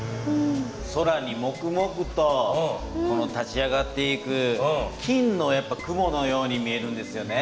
空にモクモクと立ち上がっていく金の雲のように見えるんですよね。